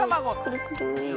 くるくる。